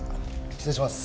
失礼します。